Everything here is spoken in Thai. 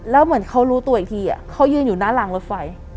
แล้วเหมือนเขารู้ตัวอีกทีเขายืนอยู่หน้ารางรถไฟ